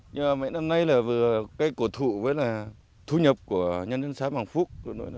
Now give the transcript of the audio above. nhưng mà mấy năm nay là vừa cây cổ thụ với là thu nhập của nhân dân xã hoàng phúc